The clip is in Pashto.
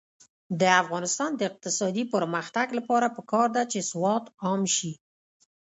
د افغانستان د اقتصادي پرمختګ لپاره پکار ده چې سواد عام شي.